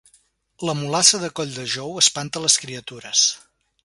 La mulassa de Colldejou espanta les criatures